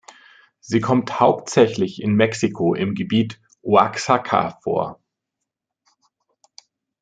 Sie kommt hauptsächlich in Mexiko im Gebiet Oaxaca vor.